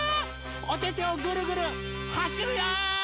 おててをぐるぐるはしるよ！